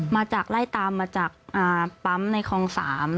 มาจากไล่ตามมาจากปั๊มในคลอง๓